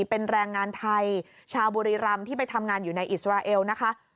เป็นแรงงานไทยชาวบุรีรำที่ไปทำงานอยู่ในอิสราเอลนะคะ